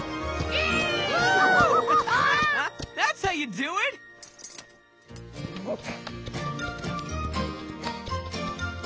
えっ？